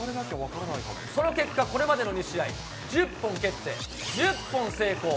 その結果、これまでの２試合、１０本蹴って、１０本成功。